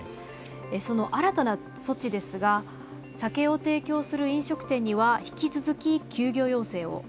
その新たな措置ですが酒を提供する飲食店には引き続き、休業要請を。